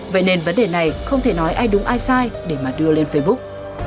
vậy nên vấn đề này không thể nói ai đúng ai sai để mà đưa lên facebook